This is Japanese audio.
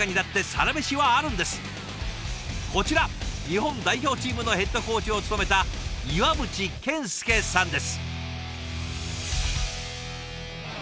こちら日本代表チームのヘッドコーチを務めた岩渕健輔さんです。